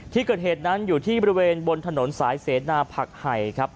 ที่เกิดเหตุนั้นอยู่ที่บริเวณบนถนนสายเสนาผักไห่ครับ